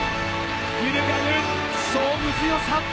揺るがぬ勝負強さ。